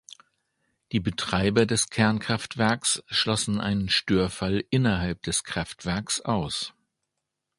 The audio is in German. Die Betreiber des Kernkraftwerks schlossen einen Störfall innerhalb des Kraftwerks aus.